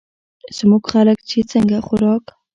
زمونږ خلک چې څنګه خوراک